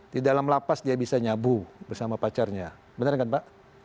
di dalam lapas dia bisa nyabu bersama pacarnya benar kan pak